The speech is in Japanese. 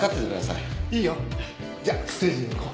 いいよ。じゃあステージに行こう。